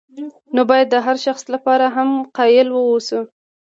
نو باید د هر شخص لپاره هم قایل واوسو.